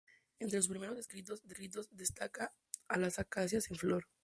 Entre sus primeros escritos destaca "A las acacias en flor".